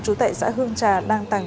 trú tại xã hương trà đăng tàng